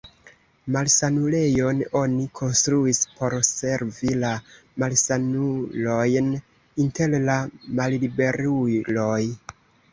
Malsanulejon oni konstruis por servi la malsanulojn inter la malliberuloj.